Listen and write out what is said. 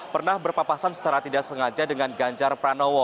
pernah berpapasan secara tidak sengaja dengan ganjar pranowo